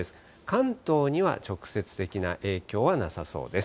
関東には直接的な影響はなさそうです。